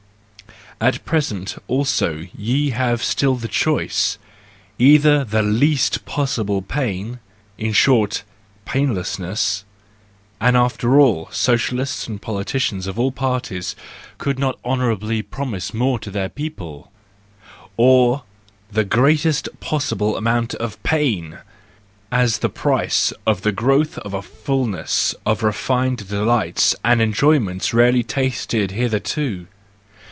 At present also ye have still the choice: either the least possible pain, in short painlessness—and after all, * Allusions to the song of Clara in Goethe's " Egmont." THE JOYFUL WISDOM, I 49 socialists and politicians of all parties could not honourably promise more to their people,—or the greatest possible amount of pain^ as the price of the growth of a fullness of refined delights and enjoyments rarely tasted hitherto!